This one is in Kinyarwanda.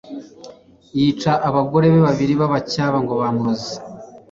yica abagore be babiri b'abacyaba ngo bamuroze